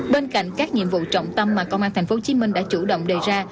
bên cạnh các nhiệm vụ trọng tâm mà công an thành phố hồ chí minh đã chủ động đề ra